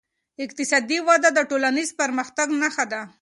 اقتصادي وده د ټولنیز پرمختګ نښه ده.